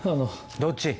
どっち？